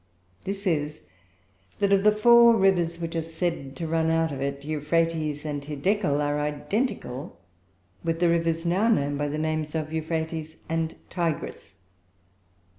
This is, that of the four rivers which are said to run out of it, Euphrates and Hiddekel are identical with the rivers now known by the names of Euphrates and Tigris.